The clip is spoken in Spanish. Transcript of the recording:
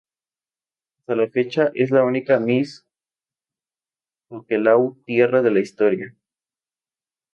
Hasta la fecha, es la única Miss Tokelau Tierra de la historia.